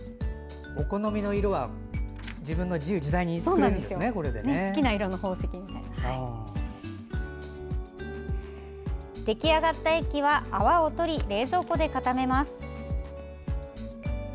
お好みの色は自分で自由自在に出来上がった液は泡をとり、冷蔵庫で固めます。